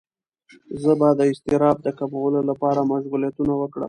زه به د اضطراب د کمولو لپاره مشغولیتونه وکړم.